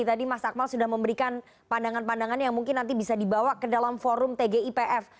tadi mas akmal sudah memberikan pandangan pandangan yang mungkin nanti bisa dibawa ke dalam forum tgipf